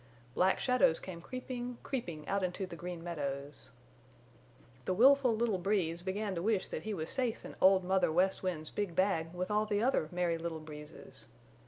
Black shadows came creeping, creeping out into the Green Meadows. The willful little Breeze began to wish that he was safe in Old Mother West Wind's big bag with all the other Merry Little Breezes.